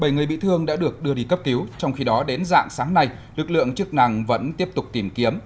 bảy người bị thương đã được đưa đi cấp cứu trong khi đó đến dạng sáng nay lực lượng chức năng vẫn tiếp tục tìm kiếm